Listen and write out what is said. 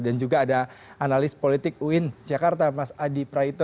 dan juga ada analis politik uin jakarta mas adi praito